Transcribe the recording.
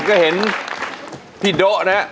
ก็เห็นพี่โด๊ะนะ